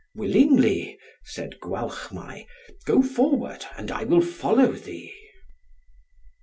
"Willingly," said Gwalchmai, "go forward, and I will follow thee."